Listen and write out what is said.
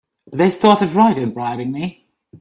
They started right in bribing me!